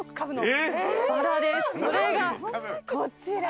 それがこちら。